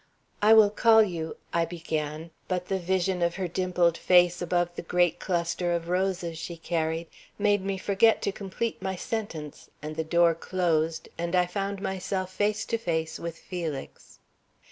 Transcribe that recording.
"I will call you " I began, but the vision of her dimpled face above the great cluster of roses she carried made me forget to complete my sentence, and the door closed, and I found myself face to face with Felix.